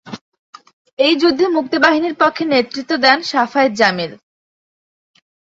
এই যুদ্ধে মুক্তিবাহিনীর পক্ষে নেতৃত্ব দেন শাফায়াত জামিল।